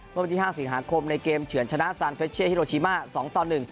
เมื่อวันที่๕สิงหาคมในเกมเฉือนชนะซานเฟชเช่ฮิโรชิมา๒ต่อ๑